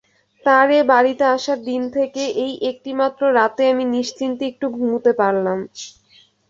তার এ বাড়িতে আসার দিন থেকে এই একটিমাত্র রাতে আমি নিশ্চিন্তে একটু ঘুমুতে পারলাম।